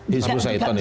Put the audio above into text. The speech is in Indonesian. hizbul syaitan itu